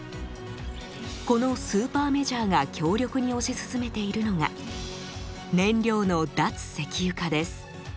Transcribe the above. このスーパーメジャーが強力に推し進めているのが燃料の脱石油化です。